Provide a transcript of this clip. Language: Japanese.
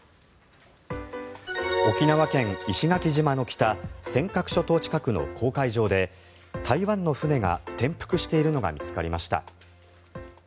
沖縄県・石垣島の北尖閣諸島近くの公海上で台湾の船が転覆しているのが見つかりました。